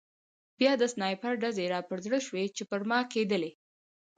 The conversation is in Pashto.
بیا د سنایپر ډزې را په زړه شوې چې پر ما کېدلې